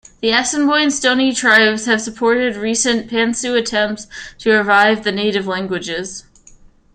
The Assiniboine-Stoney tribes have supported recent "pan-Sioux" attempts to revive the native languages.